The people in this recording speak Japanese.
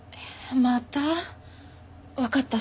また？